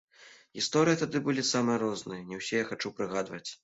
Гісторыя тады былі самыя розныя, не ўсе я хачу прыгадваць.